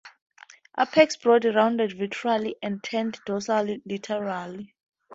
Apex broadly rounded ventrally and turned dorsal laterally.